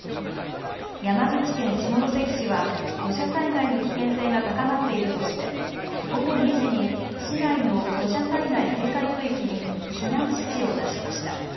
山口県下関市は土砂災害の危険性が高まっているとして午後２時に市内の土砂災害警戒区域に避難指示を出しました。